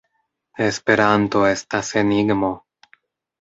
Esperanto estas enigmo.